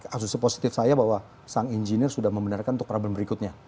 asumsi positif saya bahwa sang engineer sudah membenarkan untuk problem berikutnya